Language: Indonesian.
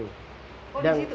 oh di situ kan